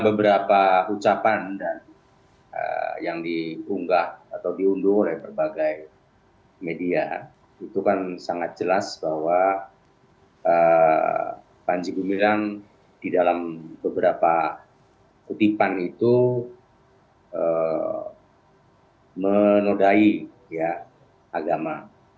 beberapa ucapan yang diunggah atau diunduh oleh berbagai media itu kan sangat jelas bahwa panji gumilang di dalam beberapa kutipan itu menodai agama